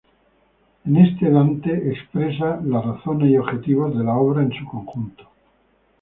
En este Dante expresa las razones y objetivos de la obra en su conjunto.